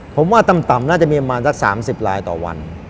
ผมว่าต่ำน่าจะมีประมาณสัก๓๐ลายต่อวัน